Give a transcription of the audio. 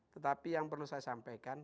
tetapi yang perlu saya sampaikan